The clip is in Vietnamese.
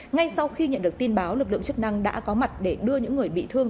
ngay sau khi nhận được tin báo lực lượng chức năng đã có mặt để đưa những người bị thương